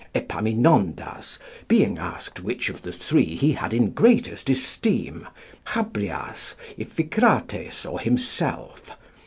Epaminondas being asked which of the three he had in greatest esteem, Chabrias, Iphicrates, or himself.